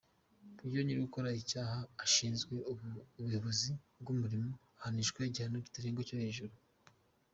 Iyo nyi’ugukora icyaha ashinzwe ubuyobozi bw’umurimo, ahanishwa igihano ntarengwa cyo hejuru.